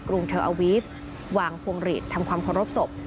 กรุงเทอร์อาวีฟวางพวงฤทธิ์ทำความขอรบศพ